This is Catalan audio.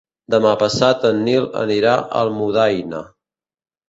Demà passat en Nil anirà a Almudaina.